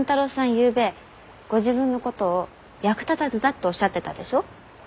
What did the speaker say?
ゆうべご自分のことを役立たずだっておっしゃってたでしょ？